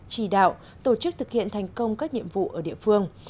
chỉ đạo tổ chức thực hiện thành công các nhiệm vụ ở địa phương